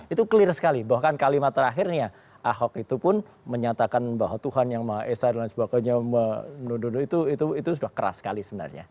itu clear sekali bahkan kalimat terakhirnya ahok itu pun menyatakan bahwa tuhan yang maha esa dan sebagainya menuduh itu sudah keras sekali sebenarnya